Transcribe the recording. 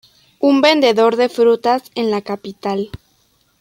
Un vendedor de frutas en la capital.